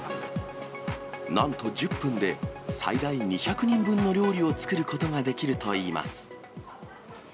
なんと１０分で、最大２００人分の料理を作ることができるといいます。